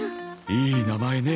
いい名前ね。